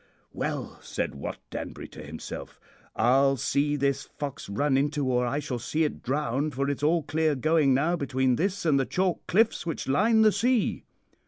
"'Well,' said Wat Danbury to himself, 'I'll see this fox run into or I shall see it drowned, for it's all clear going now between this and the chalk cliffs which line the sea.'